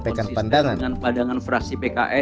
dpr ri puan maharani